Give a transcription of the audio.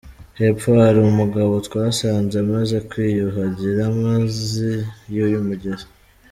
Hepfo hari umugabo twasanze amaze kwiyuhagira amazi y’uyu mugezi.